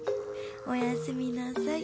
おやすみなさい。